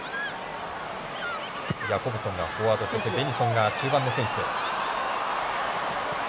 ヤコブソンがフォワードベニソンが中盤の選手です。